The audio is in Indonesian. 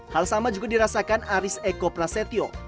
hal sama juga dirasakan aris eko prasetyo